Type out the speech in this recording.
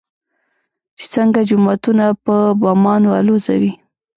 چې څنگه جوماتونه په بمانو الوزوي.